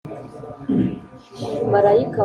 Marayika wa kane avuza impanda.